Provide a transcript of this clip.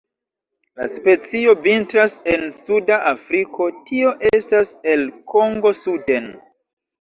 La specio vintras en suda Afriko, tio estas el Kongo suden.